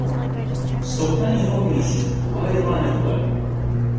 سوڵتانی ڕۆمیش وای ڕانەبواردووە!